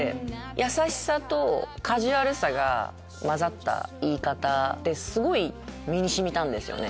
優しさとカジュアルさが交ざった言い方ですごい身に染みたんですよね。